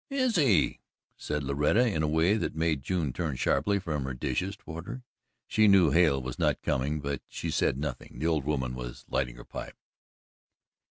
"Is he?" said Loretta in a way that made June turn sharply from her dishes toward her. She knew Hale was not coming, but she said nothing. The old woman was lighting her pipe.